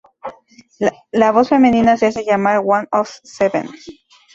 La voz femenina se hace llamar One of Seven.